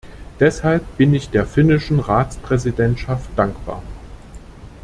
Deshalb bin ich der finnischen Ratspräsidentschaft dankbar.